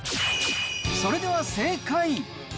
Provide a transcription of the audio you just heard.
それでは正解。